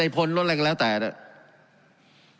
การปรับปรุงทางพื้นฐานสนามบิน